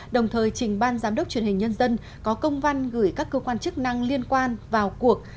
đồng thời trình ban giám đốc truyền hình nhân dân có công văn gửi các cơ quan chức năng liên quan vào cuộc